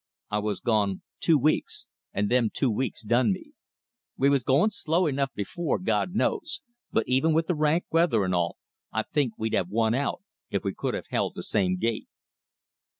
"I was gone two weeks, and them two weeks done me. We was going slow enough before, God knows, but even with the rank weather and all, I think we'd have won out, if we could have held the same gait."